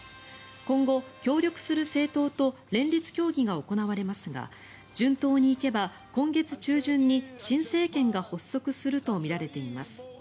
今後、協力する政党と連立協議が行われますが順当に行けば今月中旬に新政権が発足するとみられています。